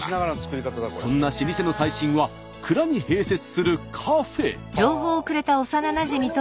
そんな老舗の最新は蔵に併設するカフェ。